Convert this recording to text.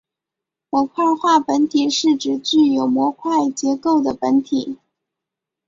模块化本体是指具有模块结构的本体。